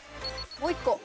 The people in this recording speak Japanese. もう一個。